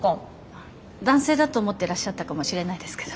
男性だと思ってらっしゃったかもしれないですけど。